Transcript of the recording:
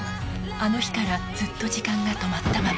あの日からずっと時間が止まったまま。